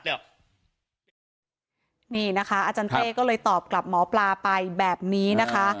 นี่นะคะอาจารย์เต้ก็เลยตอบกลับหมอปลาไปแบบนี้นะคะ